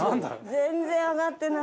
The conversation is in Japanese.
全然上がってない。